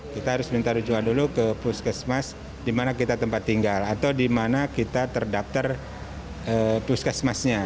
kita harus minta rujukan dulu ke puskesmas di mana kita tempat tinggal atau di mana kita terdaftar puskesmasnya